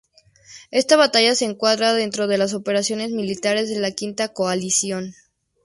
Esta batalla se encuadra dentro de las operaciones militares de la Quinta Coalición.